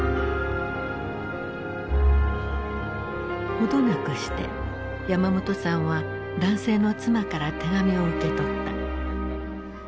程なくして山本さんは男性の妻から手紙を受け取った。